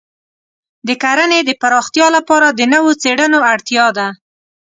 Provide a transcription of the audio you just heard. د کرنې د پراختیا لپاره د نوو څېړنو اړتیا ده.